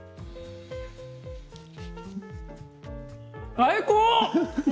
最高！